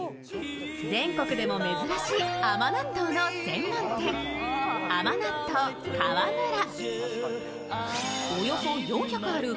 全国でも珍しい甘納豆の専門店、甘納豆かわむら。